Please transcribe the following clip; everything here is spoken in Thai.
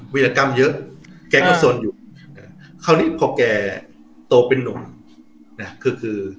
วิรกรรมเยอะแกก็สนอยู่คราวนี้พอแกโตเป็นนุ่มนะคือคือ